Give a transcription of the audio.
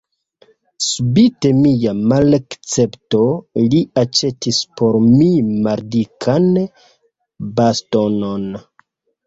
Spite mia malakcepto li aĉetis por mi maldikan bastonon.